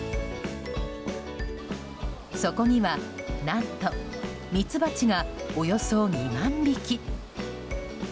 そこには何とミツバチがおよそ２万匹。